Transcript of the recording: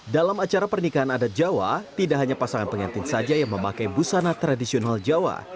dalam acara pernikahan adat jawa tidak hanya pasangan pengantin saja yang memakai busana tradisional jawa